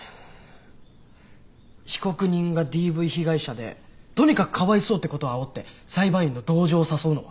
被告人がＤＶ被害者でとにかくかわいそうってことをあおって裁判員の同情を誘うのは？